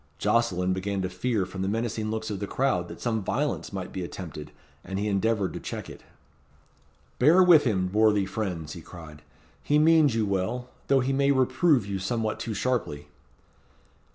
Jocelyn began to fear from the menacing looks of the crowd that some violence might be attempted, and he endeavoured to check it. "Bear with him, worthy friends," he cried, "he means you well, though he may reprove you somewhat too sharply."